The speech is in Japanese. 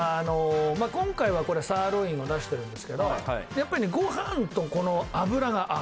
今回はこれサーロインを出してるんですけどやっぱりね